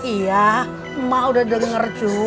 iya ma udah denger cu